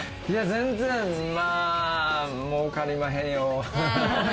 全然儲かりまへんよ。